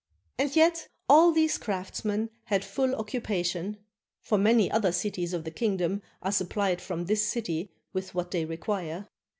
And yet all these craftsmen had full occupa tion, for many other cities of the kingdom are supplied from this city with what they require.